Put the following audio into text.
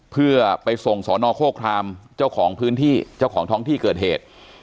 เพื่อไปส่งสอนอโฆครามเจ้าของพื้นที่เจ้าของท้องที่เกิดเหตุ